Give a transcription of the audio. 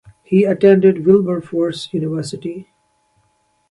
He attended Wilberforce University.